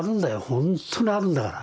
ほんとにあるんだから。